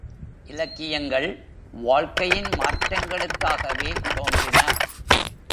இலக்கியங்கள் வாழ்க்கையின் மாற்றங்களுக்காகவே தோன்றின.